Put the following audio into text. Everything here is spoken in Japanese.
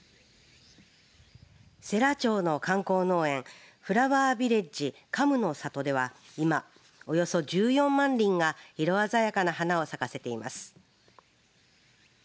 世羅町の観光農園フラワービレッジ花夢の里ではいまおよそ１４万輪が色鮮やかな花を咲かせています。